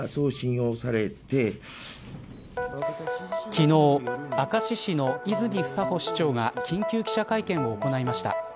昨日、明石市の泉房穂市長が緊急記者会見を行いました。